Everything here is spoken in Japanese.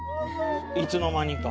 いつの間にか。